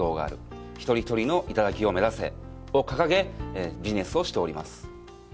「一人一人の頂を目指せ。」を掲げビジネスをしております。